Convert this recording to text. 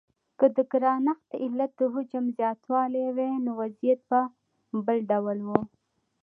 که د ګرانښت علت د حجم زیاتوالی وای نو وضعیت به بل ډول و.